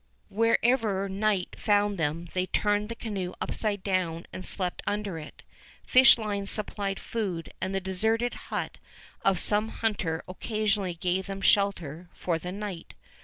Wherever night found them they turned the canoe upside down and slept under it. Fish lines supplied food, and the deserted hut of some hunter occasionally gave them shelter for the night.